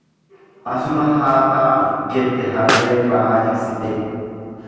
Asuma haa taa'u jette harren ba'aa jiksitee.